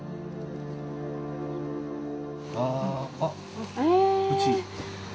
あっうち。